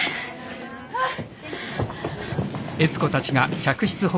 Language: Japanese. あっ！